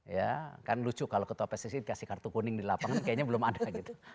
ya kan lucu kalau ketua pssi dikasih kartu kuning di lapangan kayaknya belum ada gitu